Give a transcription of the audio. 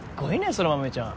空豆ちゃん